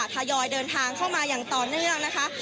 ทยอยเดินทางเข้ามาอย่างต่อเนื่องนะคะ